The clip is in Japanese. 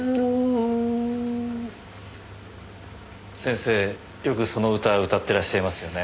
先生よくその歌を歌ってらっしゃいますよね。